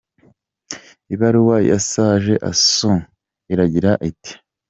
Ibaruwa ya Saga Assou iragira iti:.